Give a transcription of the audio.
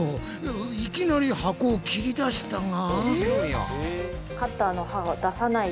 いきなり箱を切り出したが！？